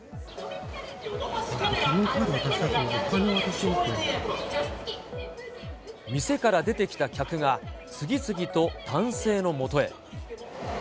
ポケモンカードを渡したあと、店から出てきた客が、次々と男性のもとへ。